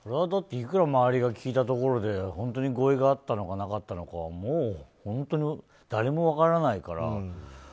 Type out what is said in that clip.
いくら周りが聞いたところで本当に合意があったのかなったのかもう本当に誰も分からないから。